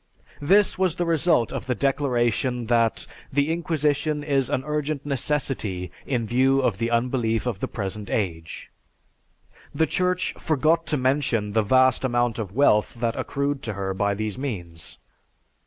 This was the result of the declaration that "The Inquisition is an urgent necessity in view of the unbelief of the present age." The Church forgot to mention the vast amount of wealth that accrued to her by these means.